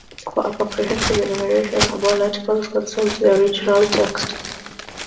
For a comprehensive enumeration of all articles, consult the original text.